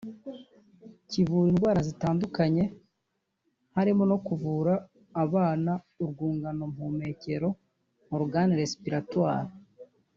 Kivura indwara zitandukanye harimo no kuvura abana urwungano mpumekero (organe respiratoire)